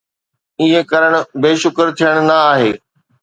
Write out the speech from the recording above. ائين ڪرڻ بي شڪر ٿيڻ نه آهي.